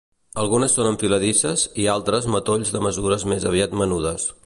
Algunes són enfiladisses i altres matolls de mesures més aviat menudes.